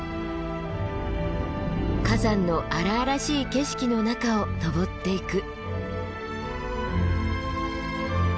火山の荒々しい景色の中を登っていく。